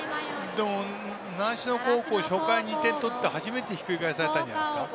習志野高校初回２点取って、初めてひっくり返されたんじゃないですか。